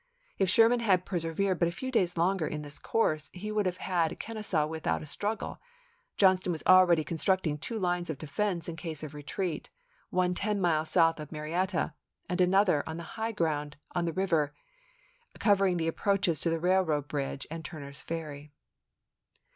If Sherman had persevered but a few days longer in this course, he would have had Kenesaw without a struggle. Johnston was already constructing two lines of defense in case of retreat, one ten miles south of Marietta, and another on the high ground on the "Narrative river, covering the approaches to the railroad ofo^erl?ry bridge and Turner's Ferry.